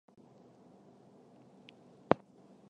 毛果巴豆为大戟科巴豆属下的一个种。